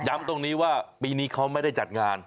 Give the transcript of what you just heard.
ตรงนี้ว่าปีนี้เขาไม่ได้จัดงาน